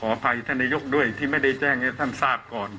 อภัยท่านนายกด้วยที่ไม่ได้แจ้งให้ท่านทราบก่อน